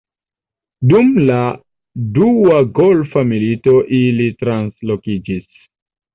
Dum la Dua Golfa Milito ili translokiĝis.